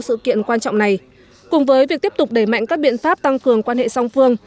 sự kiện quan trọng này cùng với việc tiếp tục đẩy mạnh các biện pháp tăng cường quan hệ song phương